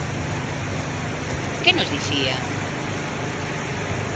¿Que nos dicía?